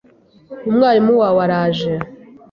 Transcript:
Umwami wawe araje